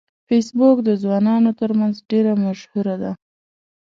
فېسبوک د ځوانانو ترمنځ ډیره مشهوره ده